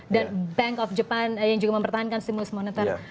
dan bank of japan yang juga mempertahankan stimulus moneter